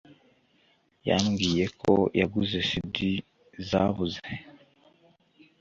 Yambwiye ko yaguze CD zabuze